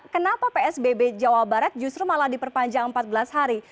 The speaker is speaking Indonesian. kenapa psbb jawa barat justru malah diperpanjang empat belas hari